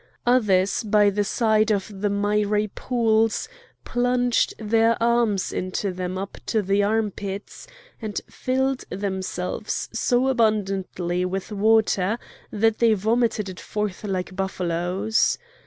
Others by the side of the miry pools, plunged their arms into them up to the armpits, and filled themselves so abundantly with water that they vomited it forth like buffaloes.